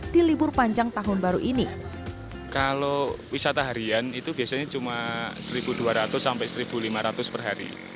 di libur panjang tahun baru ini kalau wisata harian itu biasanya cuma seribu dua ratus seribu lima ratus perhari